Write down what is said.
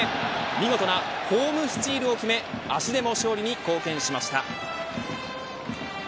見事なホームスチールを決め足でも勝利に貢献しました。